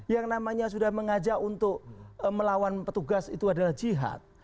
yang namanya sudah mengajak untuk melawan petugas itu adalah jihad